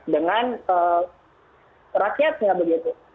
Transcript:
dengan rakyatnya begitu